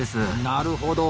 なるほど。